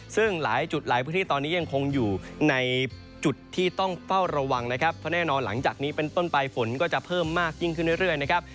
ซึ่งหลายจุดหลายพื้นที่ตอนนี้ยังคงอยู่ในจุดที่ต้องเฝ้าระวังนะครับเพราะแน่นอนหลังจากนี้เป็นต้นไปฝนก็จะเพิ่มมากยิ่งขึ้นเรื่อยนะครับ